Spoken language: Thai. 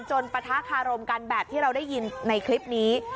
ปะทะคารมกันแบบที่เราได้ยินในคลิปนี้